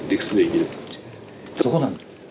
そこなんですよ。